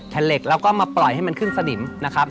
เหล็กแล้วก็มาปล่อยให้มันขึ้นสนิมนะครับ